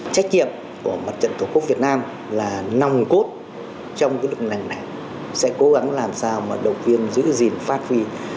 trách nhiệm của mặt trận tổ quốc việt nam là nòng cốt trong lực lượng này sẽ cố gắng làm sao mà động viên giữ gìn phát huy